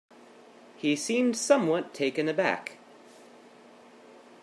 He seemed somewhat taken aback.